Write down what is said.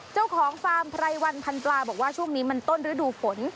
เจ้าของฟาร์มไพรวันพันปลาบอกว่าช่วงนี้มันต้นฤดูฝน